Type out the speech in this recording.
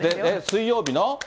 水曜日の？